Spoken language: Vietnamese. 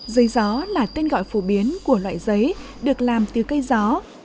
giấy gió là tên gọi phổ biến của loại giấy được làm từ cây gió